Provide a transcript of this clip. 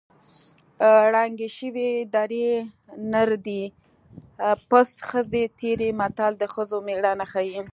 ړنګې شې درې نر دې پڅ ښځې تېرې متل د ښځو مېړانه ښيي